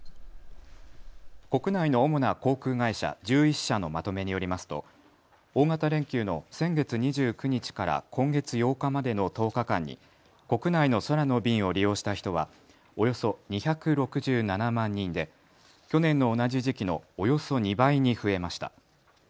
国内の主な航空会社１１社のまとめによりますと大型連休の先月２９日から今月８日までの１０日間に国内の空の便を利用した人はおよそ２６７万人で去年の同じ時期のおよそ２倍に増えました。